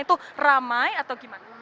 itu ramai atau gimana